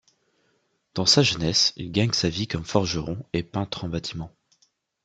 Dans sa jeunesse, il gagne sa vie comme forgeron et peintre en bâtiment.